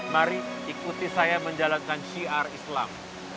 mari ikuti saya menjalankan syiar islam